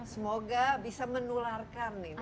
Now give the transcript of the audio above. semoga bisa menularkan nih